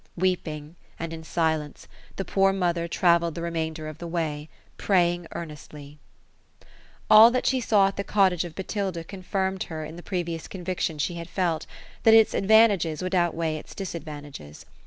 Weeping, and in silence, the poor mother travelled the remain der of the way, — praying earnestly. All that she saw at the cottage of Botilda confirmed her in the pre vious conviction she had felt, that its advantages would outweigh its dis advantages.